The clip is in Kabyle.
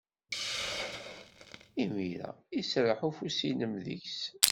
Imir-a iserreḥ ufus-nnem deg-s.